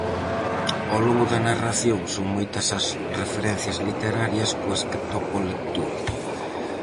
Ao longo da narración son moitas as referencias literarias coas que topa o lector.